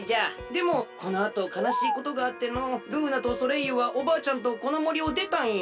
でもこのあとかなしいことがあってのうルーナとソレイユはおばあちゃんとこのもりをでたんよ。